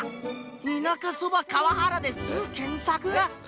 「田舎そば川原ですぐ検索！」